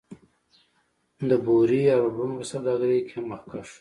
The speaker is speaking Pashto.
د بورې او ربړونو په سوداګرۍ کې هم مخکښ و